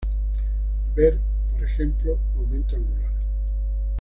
Ver por ejemplo momento angular.